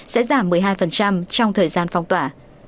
sẽ giảm một mươi hai trong thời gian phong tỏa